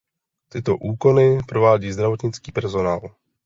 Tyto úkony provádí zdravotnický personál.